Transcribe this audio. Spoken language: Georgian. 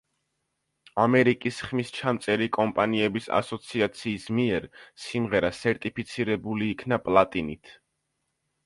ამერიკის ხმისჩამწერი კომპანიების ასოციაციის მიერ სიმღერა სერტიფიცირებული იქნა პლატინით.